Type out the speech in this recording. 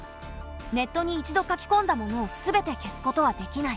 ネットに一度書き込んだものをすべて消すことはできない。